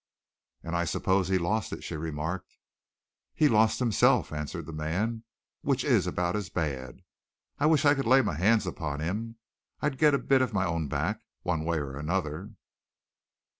"And I suppose he'd lost it," she remarked. "He's lost himself," answered the man, "which is about as bad. I wish I could lay my hands upon him. I'd get a bit of my own back, one way or another."